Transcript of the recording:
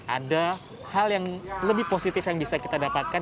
ada hal yang lebih positif yang bisa kita dapatkan